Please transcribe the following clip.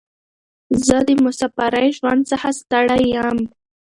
زه د مساپرۍ ژوند څخه ستړی یم.